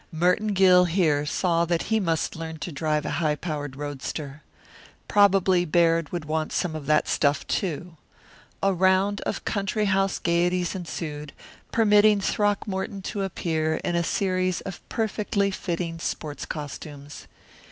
Merton Gill here saw that he must learn to drive a high powered roadster. Probably Baird would want some of that stuff, too. A round of country house gaieties ensued, permitting Throckmorton to appear in a series of perfectly fitting sports costumes.